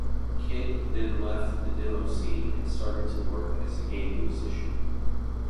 Kyd then left the demoscene and started to work as a game musician.